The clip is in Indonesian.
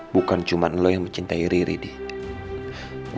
bukan cuma lo yang mencintai riri dik